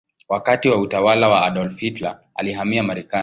Wakati wa utawala wa Adolf Hitler alihamia Marekani.